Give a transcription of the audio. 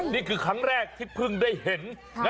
นี่คือครั้งแรกที่เพิ่งได้เห็น